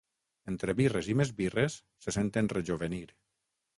Entre birres i més birres, se senten rejovenir.